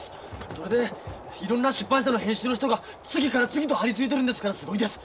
それでいろんな出版社の編集の人が次から次と張り付いとるんですからすごいです。